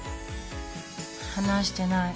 話してない。